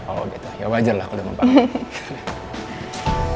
oh gitu ya wajar lah aku demam panggung